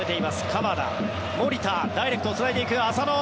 鎌田、守田ダイレクトをつないでいく浅野。